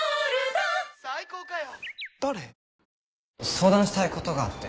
相談したいことがあって。